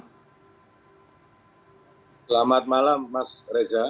selamat malam mas reza